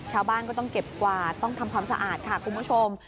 ชาวบ้านก็ต้องเก็บกวาดต้องทำความสะอาดค่ะคุณผู้ชม